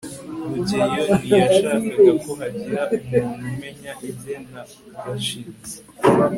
rugeyo ntiyashakaga ko hagira umuntu umenya ibye na gashinzi